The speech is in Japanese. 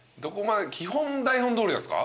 基本台本どおりなんすか？